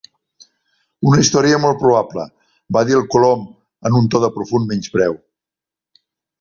"Una història molt probable!" va dir el Colom en un to de profund menyspreu.